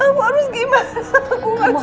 aku harus gimana aku harus kuat ramos